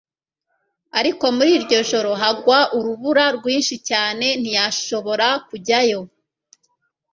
ariko muri iryo joro hagwa urubura rwinshi cyane, ntiyashobora kujyayo